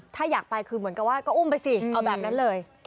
ถ้าอยากไปคือเหมือนกับว่าก็อุ้มไปสิเอาแบบนั้นเลย